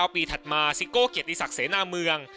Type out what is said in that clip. ปีถัดมาซิโก้เกียรติศักดิ์เสนาเมือง